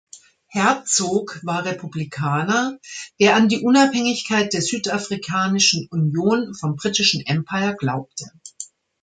Hertzog war Republikaner, der an die Unabhängigkeit der Südafrikanischen Union vom Britischen Empire glaubte.